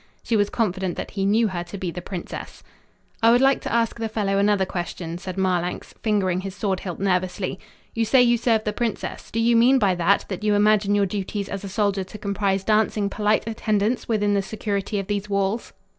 She was confident that he knew her to be the princess. "I would like to ask the fellow another question," said Marlanx, fingering his sword hilt nervously. "You say you serve the princess. Do you mean by that that you imagine your duties as a soldier to comprise dancing polite attendance within the security of these walls?"